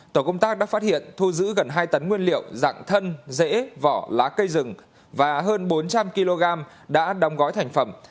tổ công tác đã phát hiện thu giữ gần hai tấn nguyên liệu dạng thân dễ vỏ lá cây rừng và hơn bốn trăm linh kg đã đong gói thành phẩm